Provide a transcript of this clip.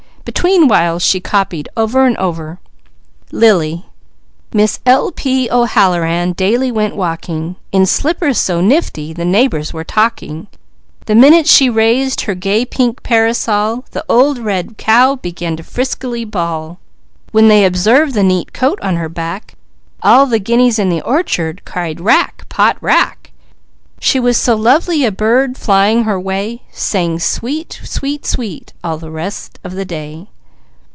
Between whiles she copied over and over: _LILY Miss L. P. O'Halloran daily went walking, In slippers so nifty the neighbours were talking. The minute she raised her gay pink parasol The old red cow began to friskily bawl. When they observed the neat coat on her back, All the guineas in the orchard cried: "Rack! Pot rack!" She was so lovely a bird flying her way, Sang "Sweet, sweet, sweet!" all the rest of the day.